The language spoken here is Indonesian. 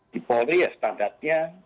di polri ya standarnya